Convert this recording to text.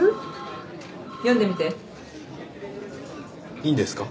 いいんですか？